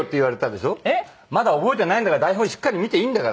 「まだ覚えてないんだから台本しっかり見ていいんだから」